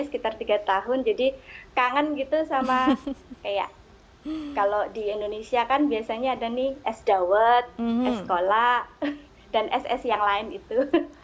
sekitar tiga tahun jadi kangen gitu sama kayak kalau di indonesia kan biasanya ada nih es dawet es kola dan es es yang lain itu